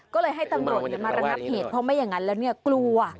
ก็เลยให้ตำรวจมาระงับเหตุเพราะไม่อย่างนั้นแล้วเนี่ยกลัว